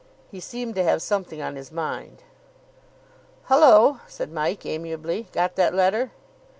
He seemed to have something on his mind. "Hullo," said Mike amiably. "Got that letter?"